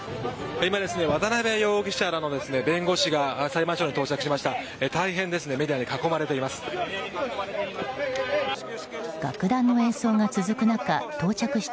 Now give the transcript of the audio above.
今、渡辺容疑者らの弁護士が裁判所に到着しました。